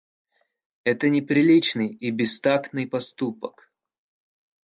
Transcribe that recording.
Это неприличный и бестактный поступок.